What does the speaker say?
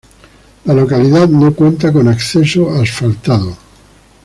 La localidad no cuenta con acceso asfaltado.